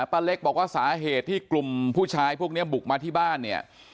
เล็กบอกว่าสาเหตุที่กลุ่มผู้ชายพวกนี้บุกมาที่บ้านเนี่ย